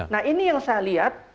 nah ini yang saya lihat